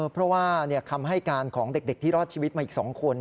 เพราะว่าคำให้การของเด็กที่รอดชีวิตมาอีก๒คน